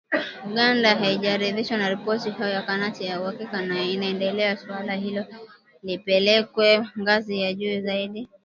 Uganda haijaridhishwa na ripoti hiyo ya kamati ya uhakiki na inapendelea suala hilo lipelekwe ngazi ya juu zaidi